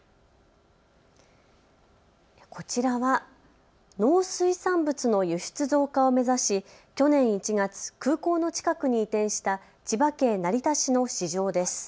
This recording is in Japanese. こちらは農水産物の輸出増加を目指し去年１月、空港の近くに移転した千葉県成田市の市場です。